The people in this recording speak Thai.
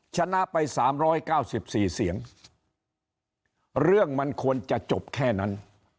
ถ้าชนะไปสามร้อยเก้าสิบสี่เสียงเรื่องมันควรจะจบแค่นั้น